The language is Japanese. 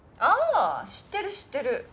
ああ知ってる知ってる。